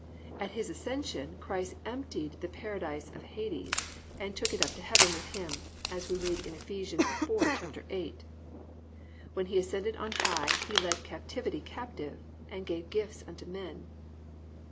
At His ascension Christ emptied the Paradise of Hades, and took it up to Heaven with Him, as we read in Eph. 4:8, +"When he ascended on high, he led captivity captive, and gave gifts unto men."